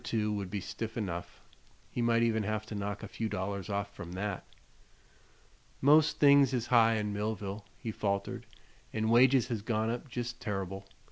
2 would be stiff enough; he might even have to knock a few dollars off from that. "Most things is high in Millville," he faltered, "an' wages has gone up jest terr'ble.